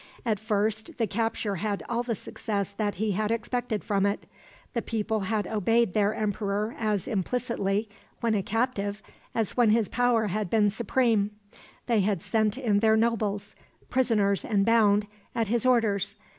At first the capture had all the success that he had expected from it. The people had obeyed their emperor as implicitly, when a captive, as when his power had been supreme. They had sent in their nobles, prisoners and bound, at his orders.